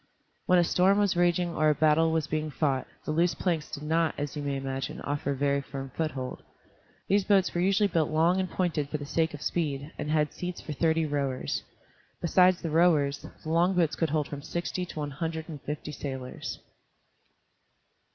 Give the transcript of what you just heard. When a storm was raging or a battle was being fought, the loose planks did not, as you may imagine, offer a very firm foothold. The boats were usually built long and pointed for the sake of speed, and had seats for thirty rowers. Besides the rowers, the long boats could hold from sixty to one hundred and fifty sailors.